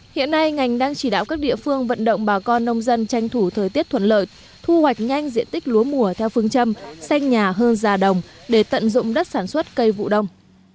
hiện nay ngành đang chỉ đạo các địa phương vận động bà con nông dân tranh thủ thời tiết thuận lợi thu hoạch nhanh diện tích lúa mùa theo phương châm xanh nhà hơn già đồng để tận dụng đất sản xuất cây vụ đông